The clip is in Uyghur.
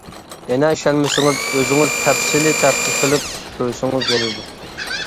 يەنە ئىشەنمىسىڭىز ئۆزىڭىز تەپسىلىي تەتقىق قىلىپ كۆرسىڭىز بولىدۇ.